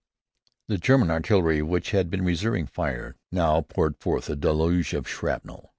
The German artillery, which had been reserving fire, now poured forth a deluge of shrapnel.